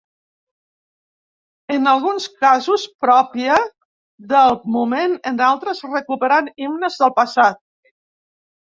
En alguns casos pròpia del moment, en d’altres recuperant himnes del passat.